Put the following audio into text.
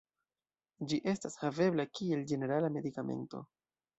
Ĝi estas havebla kiel ĝenerala medikamento.